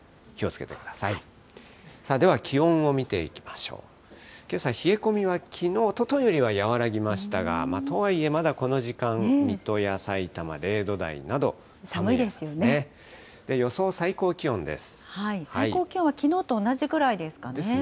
けさ、冷え込みはきのう、おとといよりは和らぎましたが、とはいえまだこの時間、水戸やさいたま０度台など、寒いですよね。